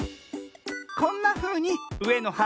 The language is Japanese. こんなふうにうえの「は」